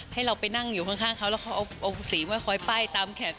ให้เราไปนั่งอยู่ข้างเขาแล้วเขาเอาสีมาคอยป้ายตามแขก